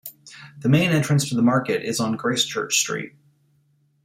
The main entrance to the market is on Gracechurch Street.